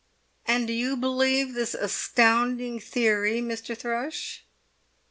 "And do you believe this astounding theory, Mr. Thrush?"